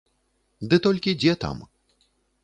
Ды толькі дзе там!